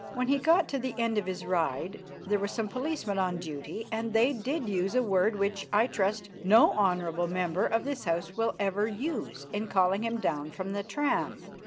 When he got to the end of his ride, there were some policemen on duty, and they did use a word which, I trust, no hon. Member of this House will ever use in calling him down from the tram.